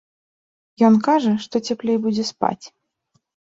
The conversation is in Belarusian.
Ён кажа, што цяплей будзе спаць.